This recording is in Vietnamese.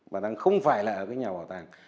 bảo tàng không phải là ở cái nhà bảo tàng